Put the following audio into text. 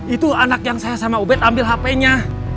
itu anak yang saya sama ubed ambil hp nya